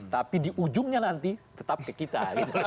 tapi di ujungnya nanti tetap ke kita